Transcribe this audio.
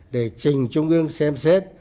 để trình trung ương xem xét